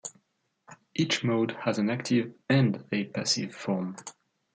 Each mode has an active and a passive form.